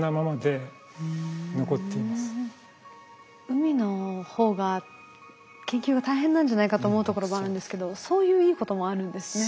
海の方が研究が大変なんじゃないかと思うところもあるんですけどそういういいこともあるんですね。